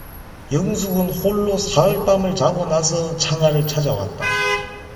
영숙은 홀로 사흘밤을 자고 나서 창하를 찾아왔다.